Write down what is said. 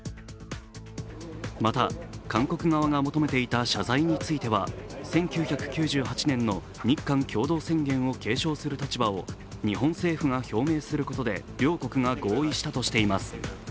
また、韓国側が求めていた謝罪については、１９９８年の日韓共同宣言を継承する立場を日本政府が表明することで両国が合意したとしています。